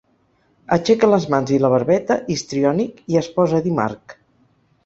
Aixeca les mans i la barbeta, histriònic, i es posa a dir March.